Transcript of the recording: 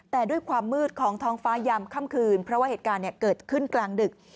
แต่ด้วยความมืดของท้องฟ้ายามค่ำคืนเพราะว่าเหตุการณ์เกิดขึ้นกลางดึก